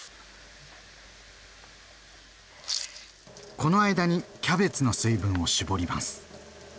この間にキャベツの水分を絞ります。